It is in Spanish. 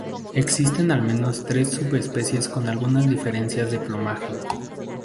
Existen al menos tres subespecies con algunas diferencias de plumaje.